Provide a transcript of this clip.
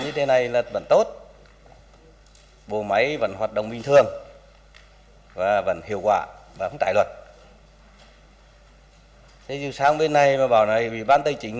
bảo này là phải thu về một mối